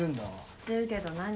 知ってるけど何？